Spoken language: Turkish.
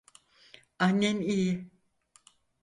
Annen iyi.